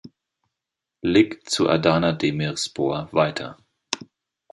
Lig zu Adana Demirspor weiter.